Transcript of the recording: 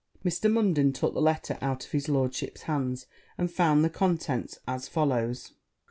Mr. Munden took the letter out of his lordship's hands, and found the contents as follows.